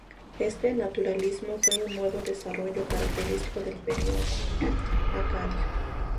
Este naturalismo fue un nuevo desarrollo característico del período acadio.